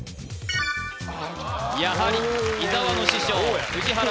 やはり伊沢の師匠宇治原